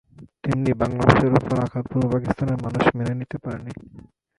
তেমনি বাংলা ভাষার ওপর আঘাত পূর্ব পাকিস্তানের মানুষ মেনে নিতে পারেনি।